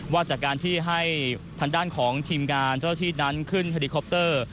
ว่าจากการที่ให้ทางด้านของทีมงานเจ้าที่นั้นขึ้นเฮลิคอปเตอร์